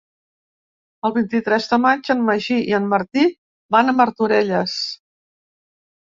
El vint-i-tres de maig en Magí i en Martí van a Martorelles.